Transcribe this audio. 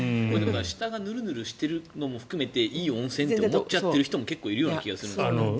下がヌルヌルしてるのも含めていい温泉って思っちゃってる人も結構いる気がするんですが。